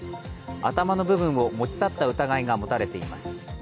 頭の部分を持ち去った疑いが持たれています。